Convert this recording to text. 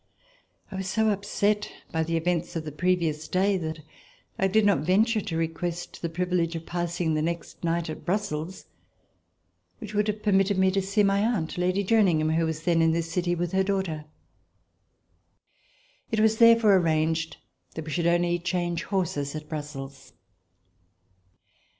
I was so upset by the events of the previous day, that I did not venture to request the privilege of passing the next night at Brussels, which would have permitted me to see my aunt, Lady Jerningham, who was then in this city with her daughter. It was therefore arranged that we should only change horses at Brussels.